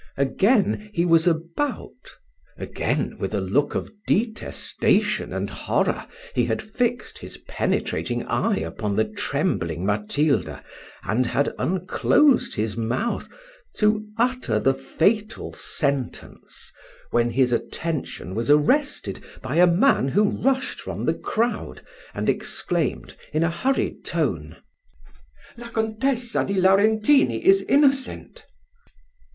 Again he was about again, with a look of detestation and horror, he had fixed his penetrating eye upon the trembling Matilda, and had unclosed his mouth to utter the fatal sentence, when his attention was arrested by a man who rushed from the crowd, and exclaimed, in a hurried tone "La Contessa di Laurentini is innocent."